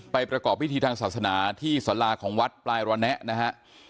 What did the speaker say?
ประกอบพิธีทางศาสนาที่สาราของวัดปลายรณะนะฮะ